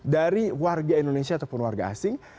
dari warga indonesia ataupun warga asing